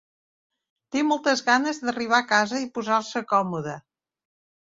Té moltes ganes d'arribar a casa i posar-se còmode.